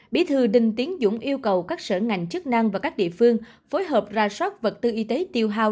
bí thư đinh tiến dũng yêu cầu các sở ngành chức năng và các địa phương phối hợp ra sót vật tư y tế tiêu hào